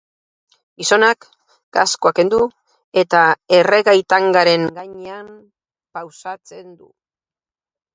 Gizonak kaskoa kendu eta erregai-tangaren gainean pausatzen du.